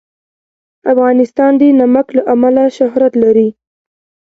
افغانستان د نمک له امله شهرت لري.